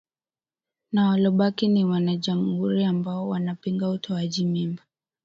na walobaki ni Wanajamuhuri ambao wanapinga utoaji mimba